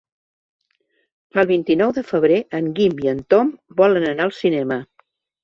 El vint-i-nou de febrer en Guim i en Tom volen anar al cinema.